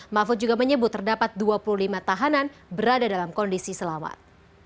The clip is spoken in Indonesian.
mahfud juga menyebut terdapat dua puluh lima tahanan berada dalam kondisi selamat